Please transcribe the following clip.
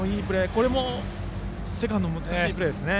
これもセカンドの難しいプレーですね。